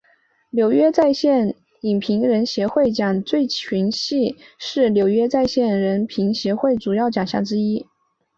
纽约在线影评人协会奖最佳群戏是纽约在线影评人协会奖的主要奖项之一。